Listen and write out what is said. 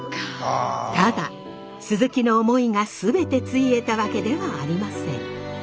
ただ鈴木の思いが全てついえたわけではありません。